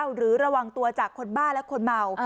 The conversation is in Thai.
หรือระวังตัวจากคนบ้าและคนเมา